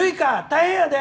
大変やで！